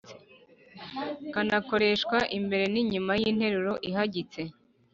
kanakoreshwa imbere n‟inyuma y‟interuro ihagitse.